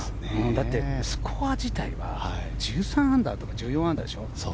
だってスコア自体は１３アンダーとか１４アンダー。